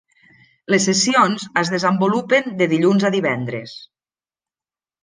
Les sessions es desenvolupen de dilluns a divendres.